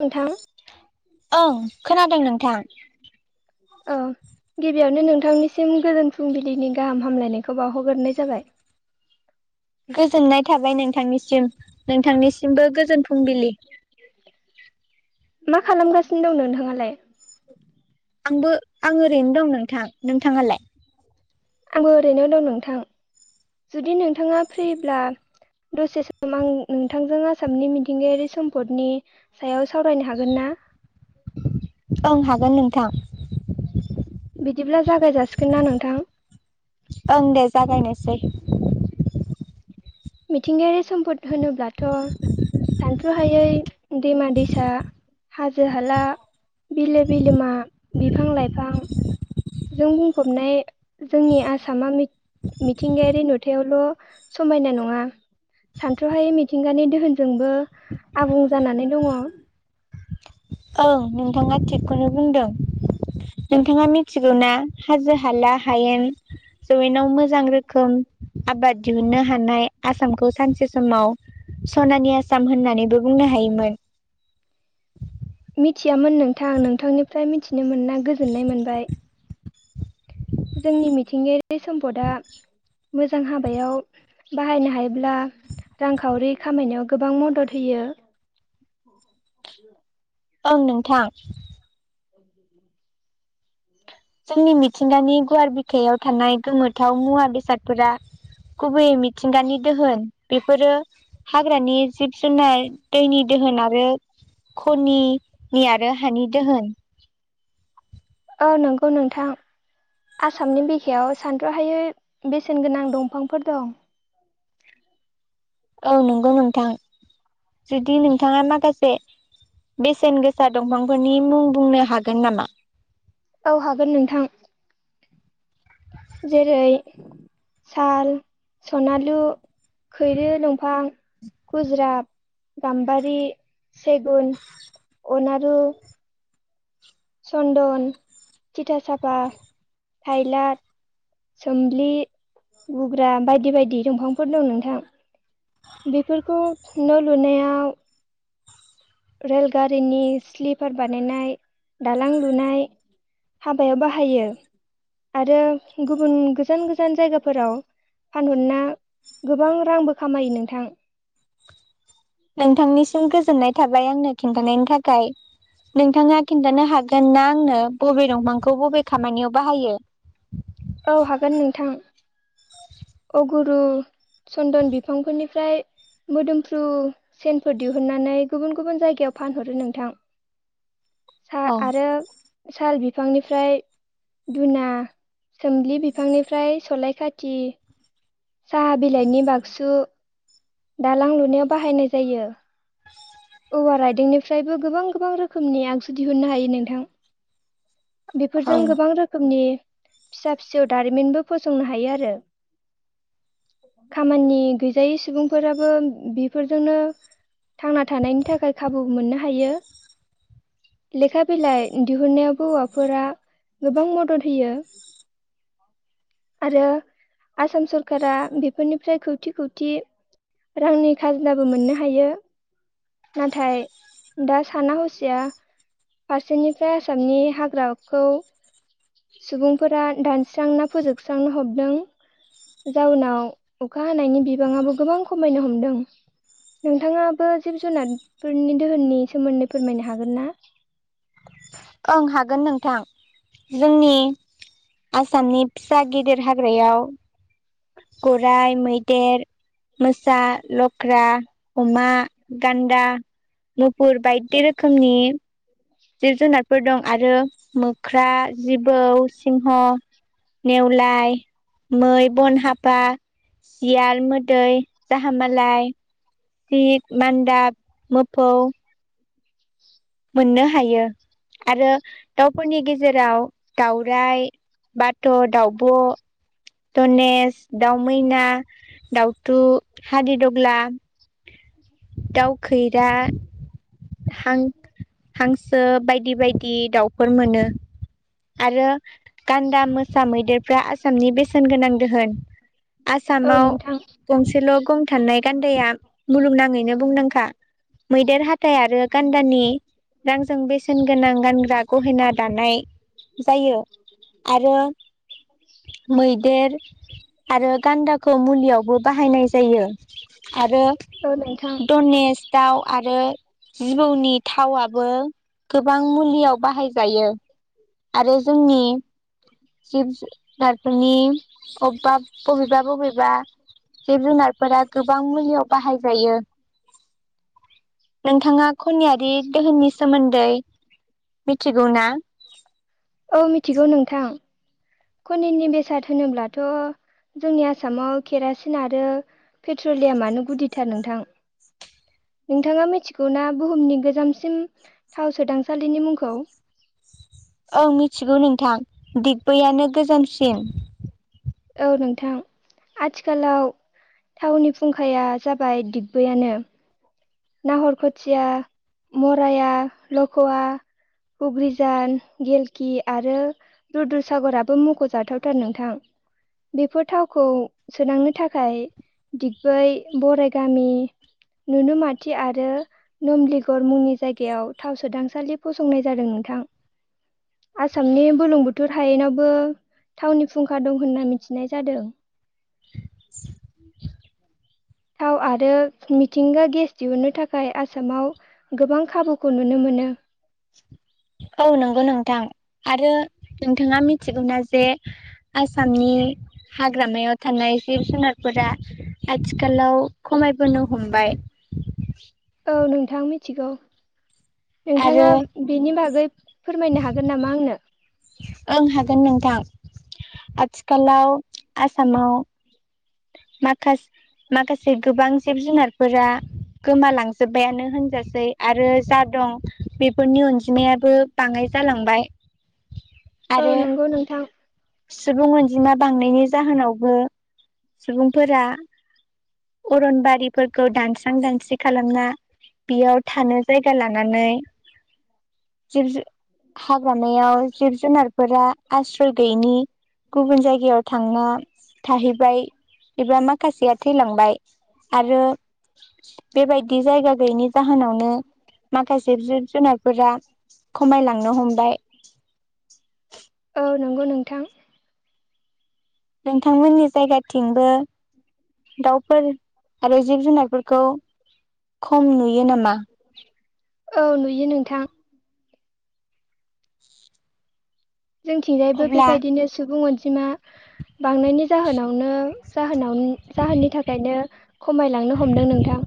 नोंथां ओं खोनादों नोंथां औ गिबियावनो नोंथांनिसिम गोदोन फुंबिलिनि गाहाम हामलायनायखौ बावहरग्रोनाय जाबाय गोजोननाय थाबाय नोंथांनिसिम नोंथांनिसिमबो गोजोन फुंबिलि मा खालामगासिनो दं नोंथाङालाय आंबो आं ओरैनो दं नोंथां नोंथाङालाय आंबो ओरैनो दं नोंथां जुदि नोंथाङा फ्रिब्ला दसे सम आं नोंथांजों आसामनि मिथिंगायारि सम्पदनि सायाव सावरायनो हागोन ना? थां बिदिब्ला जागाय जासिगोन ना नोंथां ओं दे जागायनोसै मिथिंगायारि सम्पद होनोब्लाथ' सानथ्रुहायै दैमा दैसा हाजो हाला बिलो बिलोमा बिफां लाइफां जों बुंफबनाय जोंनि आसामा मिथिंगायारि नुथायावल' समायना नङा सानथ्र'हायै मिथिंगानि दोहोनजोंबो आबुं जानानै दङ औ ओं नोंथाङा थिगखौनो बुंदों नोंथाङा मिथिगौना हाजो हाला हायेन जौयेनाव मोजां रोखोम आबाद दिहुनो हानाय आसामखौ सानसे समाव सनानि आसाम होननानैबो बुंनो हायोमोन। मिथियामोन नोंथां नोंथांनिफ्राय मिथिनो मोना गोजोननाय मोनबाय जोंनि मिथिंगायारि सम्पदआ मोजां हाबायाव बाहायनो हायोब्ला रांखावरि खामायनायाव गोबां मदद होयो औ ओं नोंथां [inaudible] जोंनि मिथिंगानि गुवार बिखायाव थानाय गोमोथाव मुवा बेसादफोरा गुबैयै मिथिंगानि दोहोन बेफोरो हाग्रानि जिब जुनार दैनि दोहोन आरो खनिनि आरो हानि दोहोन औ नंगौ नोंथां आसामनि बिखायाव सानद्र'हायै बेसेन गोनां दंफांफोर दं औ नंगौ नोंथां जुदि नोंथाङा माखासे बेसेन गोसा दंफांफोरनि मुं बुंनो हागोन नामा? औ हागोन नोंथां जेरै साल सनालु खैरो दंफां गुज्रा गाम्बारि सेगुन अनारु चन्दन थिथा साफा हाइलाट सोम्लि गुग्रा बायदि बायदि दंफांफोर दं नोंथां बेफोरखौ न' लुनायाव रेलगारिनि स्लिपार बानायनाय दालां लुनाय हाबायाव बाहायो आरो गुबुन गोजान गोजान जायगाफोराव फानहरना गोबां रांबो खामायो नोंथां नोंथांनिसिम गोज गोजोननाय थाबाय आंनो खिन्थानायनि थाखाय नोंथाङा खिन्थानो हागोन ना आंनो बबे दंफांखौ बबे खामानियाव बाहायो औ हागोन नोंथां गुरु चन्दन बिफांफोरनिफ्राय मोदोमफ्रु सेनफोर दिहुननानै गुबुन गुबुन जायगायाव फानहरो नोंथां सा अ आरो साल बिफांनिफ्राय दुना सोम्लि बिफांनिफ्राय सलाय खाथि साहा बिलायनि बागसु दालां लुनायाव बाहायनाय जायो औवा राइदोंनिफ्रायबो गोबां गोबां रोखोमनि आगजु दिहुनो हायो नोंथां बेफोरजों औ गोबां रोखोमनि फिसा फिसौ दारिमिनबो फसंनो हायो आरो खामानि गैजायै सुबुंफोराबो बेफोरजोंनो थांनानै थानायनि थाखाय खाबु मोननो हायो लेखा बिलाइ दिहुननायावबो हौवाफोरा गोबां मदद होयो आरो आसाम सरकारा बेफोरनिफ्राय खौथि खौथि रांनि खाजोनाबो मोननो हायो नाथाय दा साना हसिया फारसेनिफ्राय आसामनि हाग्राखौ सुबुंफोरा दानस्रांना फोजोबस्रांनो हमदों जउनाव अखा हानायनि बिबाङाबो गोबां खमायनो हमदों नोंथाङाबो जिब जुनारफोरनि दोहोननि सोमोन्दै फोरमायनो हागोन ना ओं हागोन नोंथां जोंनि आसामनि फिसा गिदिर हाग्रायाव गराइ मैदेर मोसा लख्रा अमा गान्दा मुफुर बायदि रोखोमनि जिब जुनारफोर दं आरो मोख्रा जिबौ सिंह नेवलाय मै बन हफा सियाल मोदै जाहामालाय सित मान्दाब मोफौ मोननो हायो आरो दावउफोरनि गेजेराव दाउराइ बा त' दाउब' धनेश दाउमैना दाउ थु हादिदग्ला दाउ खैरा हांसो बायदि बायदि दाउफोर मोनो आरो गान्दा मोसा मैदेरफ्रा आसामनि बेसेन गोनां दोहोन औ आसामाव नोंथां गंसेल' गं थानाय गान्दाया मुलुगनां नो मुंदांखा मैेदेर थाय आरो गान्दानि रांजों बे गोनां गानग्रा गहेना दानाय जायो आरो मैदेर आरो गान्दाखौ मुलियावबो बाहायनाय जायो आरो औ नोंथां धनेस दाउ आरो जिबौनि थावआबो गोबां मुलियाव बाहायजायो। आरो जोंनि जिब जुनारफोरनि अबा बबेबा बबेबा जिब-जुनार फोरा गोबां मुलियाव बाहायजायो। नोंथाङा खनियारि दोहोननि सोमोन्दै मिथिगौ ना? कनिननि बेसाद होनोब्लाथ' जोंनि आसामाव केरासिन आरो पेट्रलियामानो गुदिथार नोंथां नोंथाङा मिथिगौ ना बुहुमनि गोजामसिम थाव सोदांसालिनि मुंखौ ओं मिथिगौ नोंथां दिग्बैयानो गोजामसिन औ नोंथां आथिखालाव थावनि फुंखाया जाबाय दिग्बैयानो नाहरखोथिया मराया लख'वा हुग्रिजान गेलखि आरो रुद्रुसागराबो मख'जाथावथार नोंथां बेफोर थावखौ सोदांनो थाखाय दिगबै बराइ गामि नुनो। नुनमाथि आरो नमलिगर मुंनि जायगायाव थाव सोदांसालि फसंनाय जादों नोंथां आसामनि बुरलुंबुथुर हायेनावबो थावनि फुंखा दं होनना मिथिनाय जादों। थाव आरो मिथिंगा गेस दिहुनो थाखाय आसामाव गोबां खाबुखौ नुनो मोनो औ नंगौ नोंथां आरो नोंथाङा मिथिगौना जे आसामनि हाग्रामायाव थानाय जिब जुनारफोरा आथिखालाव खमायबोनो हमबाय औ नोंथां मिथिगौ। नोंथाङा आरो बेनि बागै फोरमायनो हागोन नामा आंनो ओं हागोन नोंथां आथिखालाव आसामाव माखासे माखासे गोबां जिब जुनारफोरा गोमालांजोब्बायानो होनजासै आरो जा दं बेफोरनि अनजिमायाबो बाङाय जालांबाय औ आरो नंगौ नोंथां। सुबुं अनजिमा बांनायनि जाहोनावबो सुबुंफोरा अरनबारिफोरखौ दानस्रां दानस्रि खालामना बेयाव थानो जायगा लानानै जिब हाग्रामायाव जिब जुनारफोरा आश्रय गैयैनि गुबुन जायगायाव थांना थाहैबाय एबा माखासेया थैलांबाय आरो बेबायदि जायगा गैयैनि जाहोनावनो माखासे जिब जुनारफोरा खमायलांनो हमबाय। औ नंगौ नोंथां नोंथांमोननि जायगाथिंबो दाउफोर आरो जिब जुनारफोरखौ खम नुयो नामा? [inaudible] औ नुयो नोंथां। जोंथिंजायबो अब्ला बेबायदिनो सुबुं अनजिमा अनजिमा बांनायनि जाहोनावनो जाहोननि थाखायनो खमायलांनो हमदों नोंथां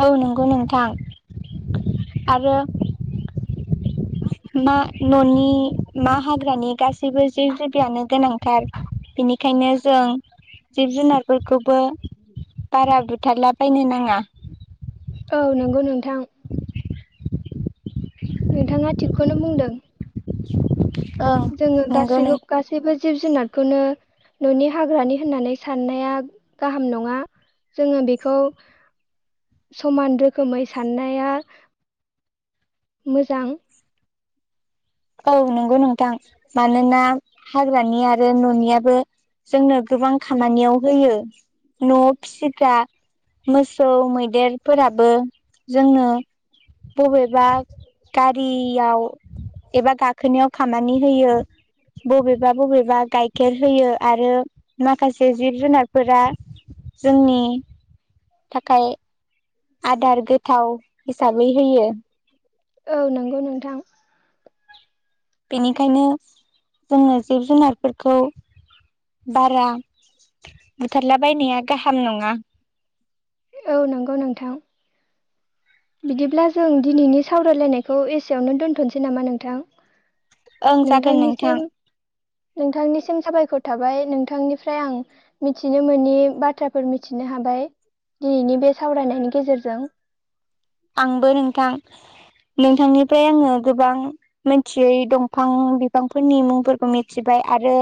औ नंगौ नोंथां आरो मा न'नि मा हाग्रानि गासैबो जिब जिबिआनो गोनांथार बेनिखायनो जों जिब जुनारफोरखौबो बारा बुथारलाबायनो नाङा [inaudible] औ नंगौ नोंथां नोंथाङा थिखखौनो खौनो बुंदों ओं जोङो नंगौ गासै नों गासैबो जिब जुनारखौनो न'नि हाग्रानि होननानै साननाया गाहाम नङा जोङो बेखौ समान रोखोमै साननाया मोजां औ नंगौ नोंथां मानोना हाग्रानि आरो न'नियाबो जोंनो गोबां खामानियाव होयो न' फिसिग्रा मोसौ मैदेरफोराबो जोंनो बबेबा गारियाव एबा गाखोनायाव खामानि होयो बबेबा बबेबा गाइखेर होयो आरो माखासे जिब जुनार फोरा जोंनि थाखाय आदार गोथाव हिसाबै होयो औ नंगौ नोंथां बेनिखायनो जोङो जिब जुनारफोरखौ बारा बुथारलाबायनाया गाहाम नङा औ नंगौ नोंथां बिदिब्ला जों दिनैनि सावरायलायनायखौ एसेयावनो दोन्थ'सै नामा नोंथां ओं जागोन नोंथां नोंथांनिसिम नोंथांनिसिम साबायखर थाबाय नोंथांनिफ्राय आं मिथिनो मोननि बाथ्राफोर मिथिनो हाबाय दिनैनि बे सावरायनायनि गेजेरजों आंबो नोंथां नोंथांनिफ्राय आङो गोबां मोनथियै दंफां बिफांफोरनि मुंफोरखौ मिथिबाय आरो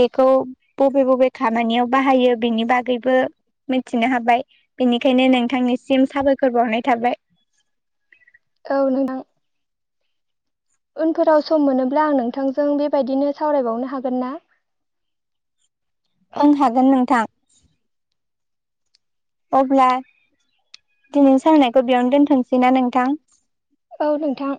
बेखौ बबे बबे खामानियाव बाहायो बेनि बागैबो मिथिनो हाबाय बेनिखायनो नोंथांनिसिम साबायखर बावनाय थाबाय औ नोंदां उनफोराव सम मोनोब्ला आं नोंथांजों बेबायदिनो सावरायबावनो हागोन ना ओं हागोन नोंथां अब्ला दिनै सावरायनायखौ बेयावनो दोनथ'सैना नोंथां औ नोंथां